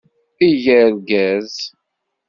Eg argaz!